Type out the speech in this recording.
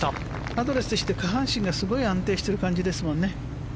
アドレスして下半身がすごい安定してる感じですもんね。